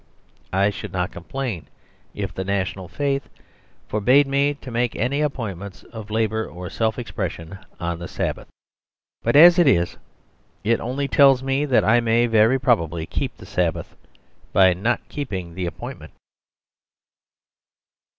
I should not complain if the national faith forbade me to make any appointments of labour or self expression on the Sabbath. But, as it is, it only tells me that I may very probably keep the Sabbath by not keeping the appointment.